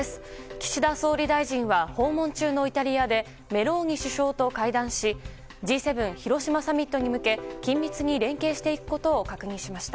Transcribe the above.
岸田総理大臣は訪問中のイタリアでメローニ首相との会談しＧ７広島サミットに向け緊密に連携していくことを確認しました。